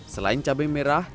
selain cabai merah besar